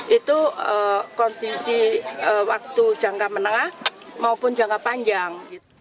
di waktu jangka menengah maupun jangka panjang